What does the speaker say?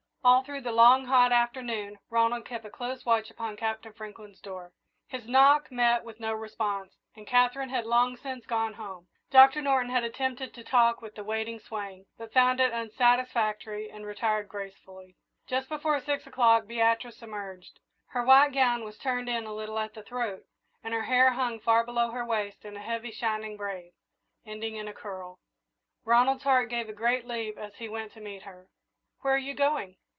All through the long, hot afternoon Ronald kept a close watch upon Captain Franklin's door. His knock met with no response, and Katherine had long since gone home. Doctor Norton had attempted to talk with the waiting swain, but found it unsatisfactory and retired gracefully. Just before six o'clock Beatrice emerged. Her white gown was turned in a little at the throat, and her hair hung far below her waist in a heavy, shining braid, ending in a curl. Ronald's heart gave a great leap as he went to meet her. "Where are you going?"